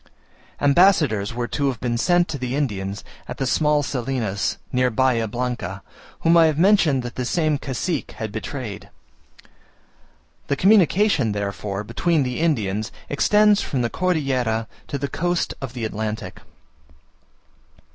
Ambassadors were to have been sent to the Indians at the small Salinas, near Bahia Blanca, whom I have mentioned that this same cacique had betrayed. The communication, therefore, between the Indians, extends from the Cordillera to the coast of the Atlantic.